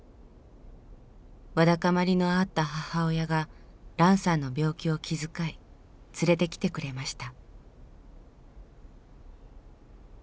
わだかまりのあった母親がランさんの病気を気遣い連れてきてくれました。